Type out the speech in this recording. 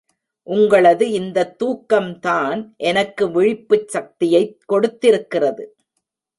உங்களது இந்தத் தூக்கம்தான் எனக்கு விழிப்புச் சக்தியைக் கொடுத்திருக்கிறது.